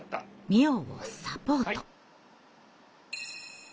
美音をサポート。